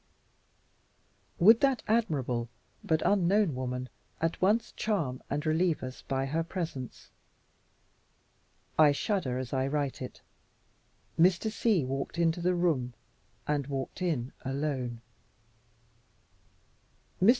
Would that admirable, but unknown, woman, at once charm and relieve us by her presence? I shudder as I write it. Mr. C walked into the room and walked in, alone. Mr.